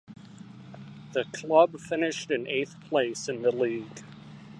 The club finished in eighth place in the league.